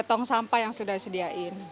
ke tong sampah yang sudah disediakan